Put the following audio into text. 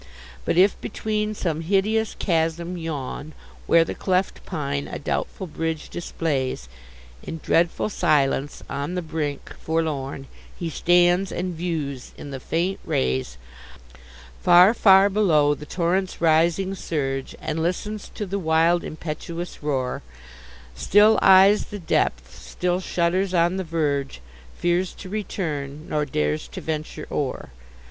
But, if between some hideous chasm yawn, Where the cleft pine a doubtful bridge displays, In dreadful silence, on the brink, forlorn He stands, and views in the faint rays Far, far below, the torrent's rising surge, And listens to the wild impetuous roar; Still eyes the depth, still shudders on the verge, Fears to return, nor dares to venture o'er.